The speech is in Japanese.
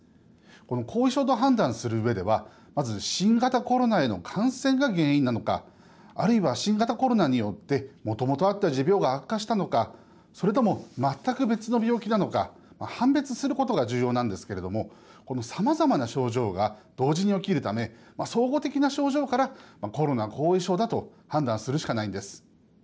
後遺症と判断するうえではまず新型コロナへの感染が原因なのかあるいは、新型コロナによってもともとあった持病が悪化したのかそれとも全く別の病気なのか判別することが重要なんですけれどもこのさまざまな症状が同時に起きるため総合的な症状からコロナ後遺症だと判断するしかないんです。